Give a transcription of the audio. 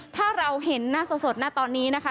ถ้าเราเห็นหน้าสดหน้าตอนนี้นะคะ